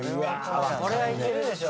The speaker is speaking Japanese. ・これはいけるでしょ。